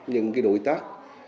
những cái đối tác